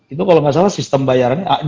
itu kalau nggak salah sistem bayarannya